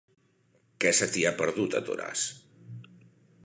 Què se t'hi ha perdut, a Toràs?